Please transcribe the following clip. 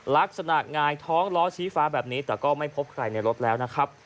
งายท้องล้อชี้ฟ้าแบบนี้แต่ก็ไม่พบใครในรถแล้วนะครับ